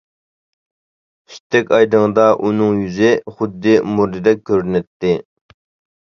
سۈتتەك ئايدىڭدا ئۇنىڭ يۈزى خۇددى مۇردىدەك كۆرۈنەتتى.